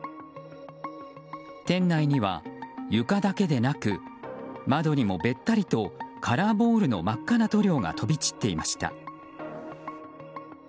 店内には床だけでなく窓にもべったりとカラーボールの真っ赤な塗料が飛び散っていました。